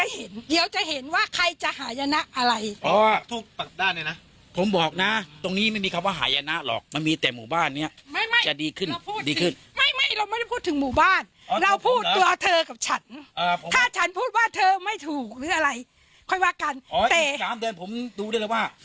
หรืออะไรค่อยว่ากันอ๋ออีกสามเดือนผมดูได้เลยว่า